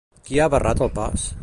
Qui ha barrat el pas?